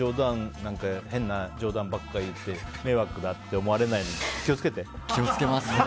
変な冗談ばっかり言って迷惑だって思われないように気を付けて。